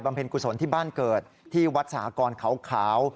เพลงกุศลที่บ้านเกิดที่วัดสหกรเขาขาว